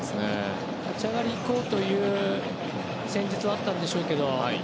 立ち上がり、行こうという戦術だったんでしょうけど。